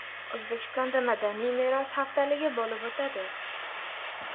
O‘zbekistonda Madaniy meros haftaligi bo‘lib o‘tadi